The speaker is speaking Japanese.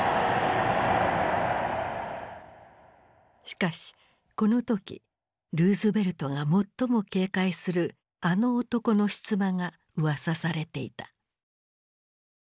しかしこの時ルーズベルトが最も警戒するあの男の出馬がうわさされていた。